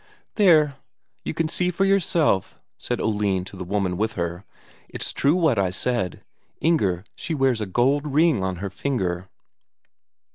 "There, you can see for yourself," said Oline to the woman with her. "It's true what I said, Inger she wears a gold ring on her finger."